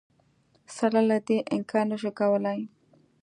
سره له دې انکار نه شو کولای